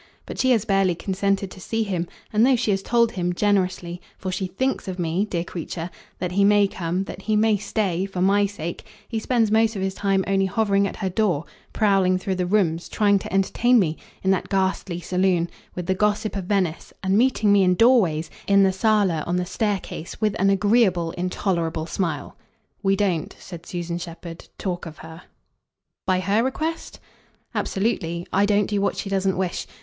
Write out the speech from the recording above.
But she has barely consented to see him, and, though she has told him, generously for she THINKS of me, dear creature that he may come, that he may stay, for my sake, he spends most of his time only hovering at her door, prowling through the rooms, trying to entertain me, in that ghastly saloon, with the gossip of Venice, and meeting me, in doorways, in the sala, on the staircase, with an agreeable intolerable smile. We don't," said Susan Shepherd, "talk of her." "By her request?" "Absolutely. I don't do what she doesn't wish.